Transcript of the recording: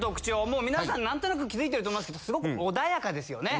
もう皆さん何となく気づいてると思いますけどすごく穏やかですよね？